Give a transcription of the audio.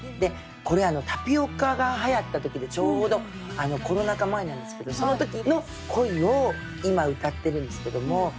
これタピオカがはやった時でちょうどコロナ禍前なんですけどその時の恋を今歌ってるんですけども。